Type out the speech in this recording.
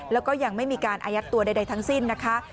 แล้วก็ยังไม่มีการอายัดตัวใดทั้งสิ้นนะคะ